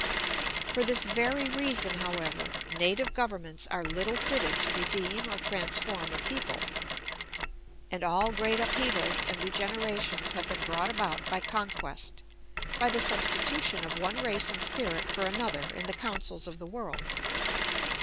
] For this very reason, however, native governments are little fitted to redeem or transform a people, and all great upheavals and regenerations have been brought about by conquest, by the substitution of one race and spirit for another in the counsels of the world.